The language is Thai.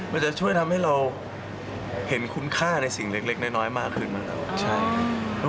มันจะช่วยทำให้เราเห็นคุณค่าในสิ่งเล็กน้อยมากขึ้นบ้างครับ